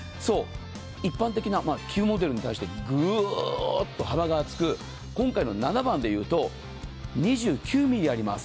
一般的な旧モデルに対してぐーっと幅が厚く、今回の７番で言うと、２９ｍｍあります。